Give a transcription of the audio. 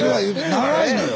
長いのよ。